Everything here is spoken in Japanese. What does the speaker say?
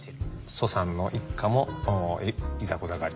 蘇さんの一家もいざこざがあります。